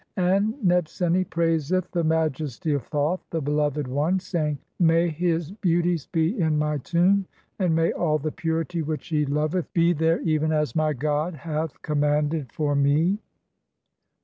And Nebseni praiseth the "majesty of Thoth, the beloved one [saying] :— 'May his beau ties be in my tomb, and may all the purity which he loveth "(27) be there even as my God hath commanded for me.'"